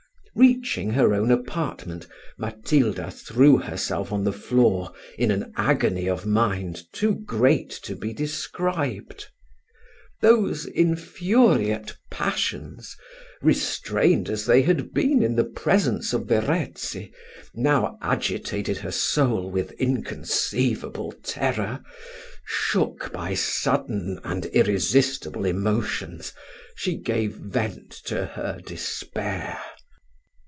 Reaching her own apartment, Matilda threw herself on the floor, in an agony of mind too great to be described. Those infuriate passions, restrained as they had been in the presence of Verezzi, now agitated her soul with inconceivable terror. Shook by sudden and irresistible emotions, she gave vent to her despair.